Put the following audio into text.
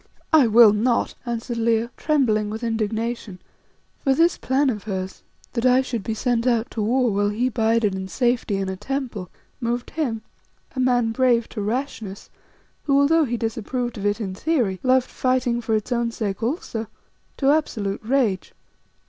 "I will not," answered Leo, trembling with indignation, for this plan of hers that I should be sent out to war, while he bided in safety in a temple, moved him, a man brave to rashness, who, although he disapproved of it in theory, loved fighting for its own sake also, to absolute rage.